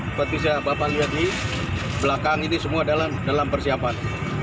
seperti saya bapak lihat di belakang ini semua dalam persiapan